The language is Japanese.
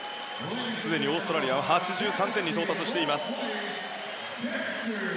すでにオーストラリアは８３点に到達しています。